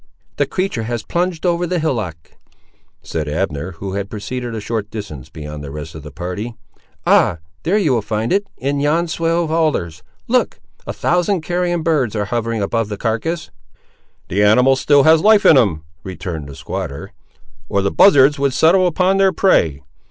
"The creatur' has plunged over the hillock," said Abner, who had proceeded a short distance beyond the rest of the party. "Ah! there you will find it, in yon swale of alders. Look! a thousand carrion birds, ar' hovering above the carcass." "The animal has still life in him," returned the squatter, "or the buzzards would settle upon their prey!